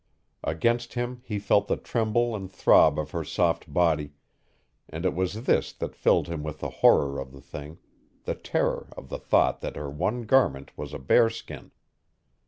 Against him he felt the tremble and throb of her soft body, and it was this that filled him with the horror of the thing the terror of the thought that her one garment was a bearskin.